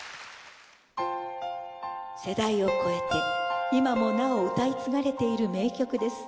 世代を越えて今もなお歌い継がれている名曲です。